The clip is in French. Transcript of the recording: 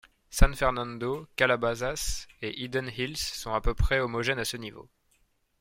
San Fernando, Calabasas et Hidden Hills sont à peu près homogènes à ce niveau.